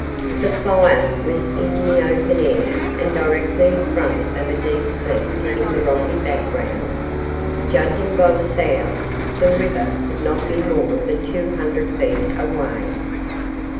The fire was in the open air and directly in front of a deep cleft in the rocky background. Judging by the sound, the river could not be more than two hundred feet away.